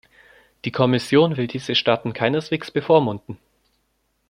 Die Kommission will diese Staaten keineswegs bevormunden.